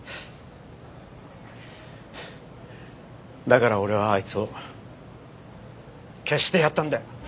だから俺はあいつを消してやったんだよ。